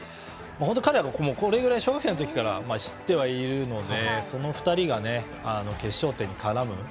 本当に彼らこれぐらいの小学生の時から知ってはいるのでその２人が決勝点に絡む。